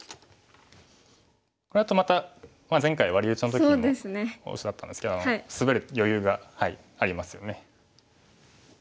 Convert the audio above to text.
これだとまた前回ワリウチの時にも一緒だったんですけどスベる余裕がありますよね。